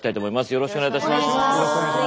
よろしくお願いします。